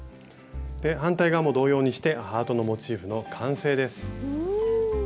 反対側も同様にしてハートのモチーフの完成です。